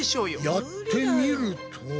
やってみると。